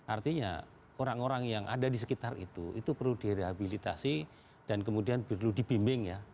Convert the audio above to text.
artinya orang orang yang ada di sekitar itu itu perlu direhabilitasi dan kemudian perlu dibimbing ya